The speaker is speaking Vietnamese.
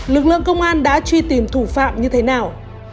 lực lượng công an đã truy tìm thủ phạm như thế nào